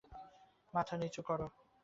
মাথা নিচু করো!